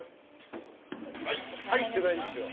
入ってないんですよ。